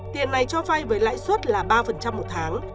tiền này cho vay với lãi suất là ba một tháng